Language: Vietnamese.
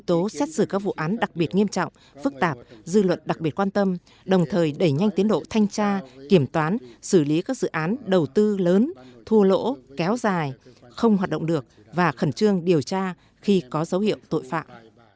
tổng bí thư yêu cầu các thành viên ban chỉ đạo và các cơ quan chức năng tập trung lực lượng để đẩy nhanh tiến độ thanh tra kiểm toán xử lý các dự án đầu tư lớn thua lỗ kéo dài không hoạt động được và khẩn trương điều tra khi có dấu hiệu tội phạm